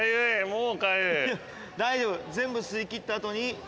大丈夫全部吸いきった後に。